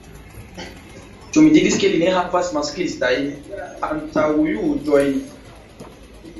Ĉu mi diris ke li ne havas masklistajn antaŭjuĝojn?